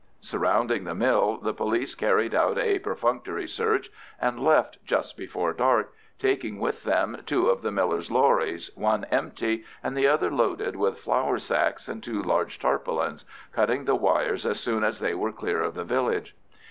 Surrounding the mill, the police carried out a perfunctory search and left just before dark, taking with them two of the miller's lorries, one empty, and the other loaded with flour sacks and two large tarpaulins, cutting the wires as soon as they were clear of the village.